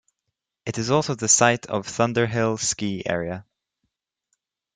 It is also the site of Thunderhill Ski Area.